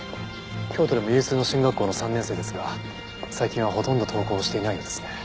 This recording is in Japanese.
京都でも有数の進学校の３年生ですが最近はほとんど登校していないようです。